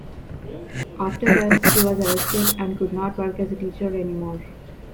After that he was arrested and could not work as a teacher anymore.